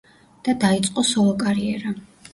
და დაიწყო სოლო-კარიერა.